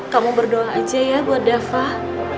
kamu berdoa aja ya buat dafah